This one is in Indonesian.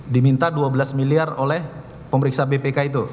diminta dua belas miliar oleh pemeriksa bpk itu